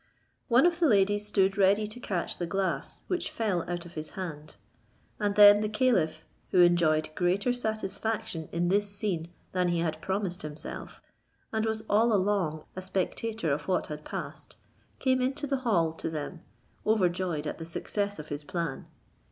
One of the ladies stood ready to catch the glass, which fell out of his hand; and then the caliph, who enjoyed greater satisfaction in this scene than he had promised himself, and was all along a spectator of what had passed, came into the hall to them, overjoyed at the success of his plan.